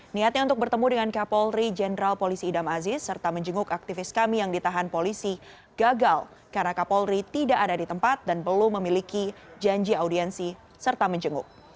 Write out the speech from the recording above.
niatnya untuk bertemu dengan kapolri jenderal polisi idam aziz serta menjenguk aktivis kami yang ditahan polisi gagal karena kapolri tidak ada di tempat dan belum memiliki janji audiensi serta menjenguk